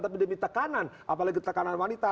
tapi demi tekanan apalagi tekanan wanita